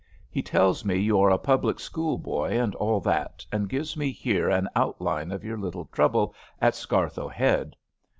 "He tells me you are a public school boy and all that, and gives me here an outline of your little trouble at Scarthoe Head.